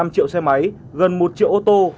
năm triệu xe máy gần một triệu ô tô